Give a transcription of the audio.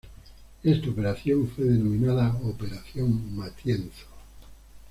Esta operación fue denominada Operación Matienzo.